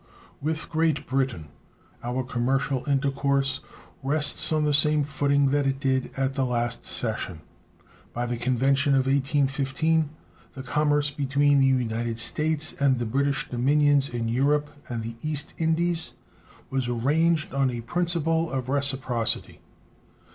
With Great Britain our commercial intercourse rests on the same footing that it did at the last session. By the convention of 1815, the commerce between the United States and the British dominions in Europe and the East Indies was arranged on a principle of reciprocity.